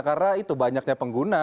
karena itu banyaknya pengguna